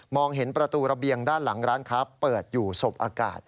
เห็นประตูระเบียงด้านหลังร้านค้าเปิดอยู่สบอากาศ